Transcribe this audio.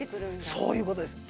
そういう事です。